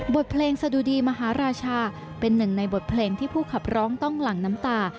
บทเพลงสะดุดีมหาราชาเป็นหนึ่งในบทเพลงที่ผู้ขับร้องต้องหลั่งน้ำตา